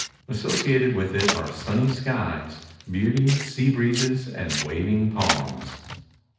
Associated with it are sunny skies, beauty, sea breezes and waving palms.